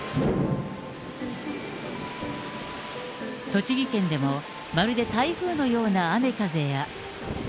栃木県でもまるで台風のような雨風や。